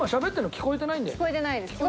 聞こえてないです。